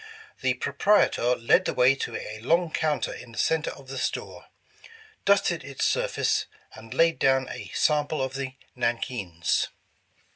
The proprietor led the way to a long counter in the center of the store, dusted its sur face, and laid down a sample of the nankeens.